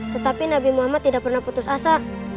tetapi nabi muhammad tidak pernah putus asa